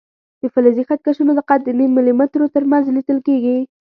د فلزي خط کشونو دقت د نیم ملي مترو تر منځ لیدل کېږي.